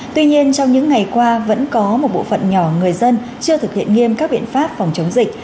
tuy nhiên trong những ngày qua vẫn có một bộ phận nhỏ người dân chưa thực hiện nghiêm các biện pháp phòng chống dịch